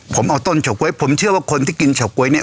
ผมเอาต้นเฉาก๊วยผมเชื่อว่าคนที่กินเฉาก๊วยเนี่ย